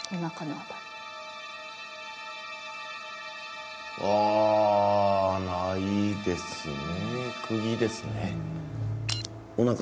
ああないっすね。